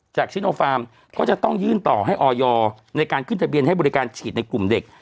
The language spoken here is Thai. ชิโนฟาร์มก็จะต้องยื่นต่อให้ออยในการขึ้นทะเบียนให้บริการฉีดในกลุ่มเด็ก